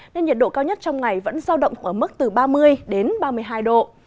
nên nhiệt độ cao nhất trong ngày vẫn giao động ở mức từ ba mươi đến ba mươi hai độ